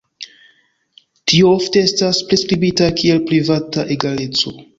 Tio ofte estas priskribita kiel privata egaleco.